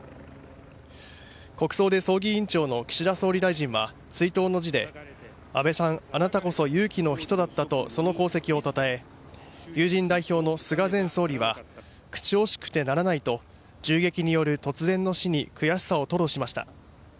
国葬で葬儀委員長の岸田総理大臣は追悼の辞で、安倍さんあなたこそ勇気の人だったとその功績をたたえ友人代表の菅前総理が口惜しくてならないと銃撃による突然の死に悔しさを吐露しました。